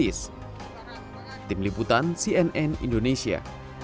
akibatnya omset pedagang juga menurun drastis